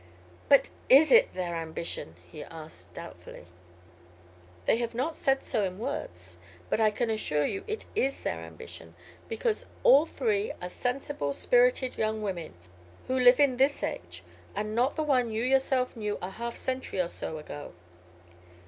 "But is it their ambition?" he asked, doubtfully. "They have not said so in words; but I can assure you it is their ambition, because all three are sensible, spirited, young women, who live in this age and not the one you yourself knew a half century or so ago."